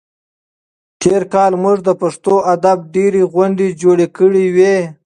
تېر کال موږ د پښتو ادب ډېرې غونډې جوړې کړې وې.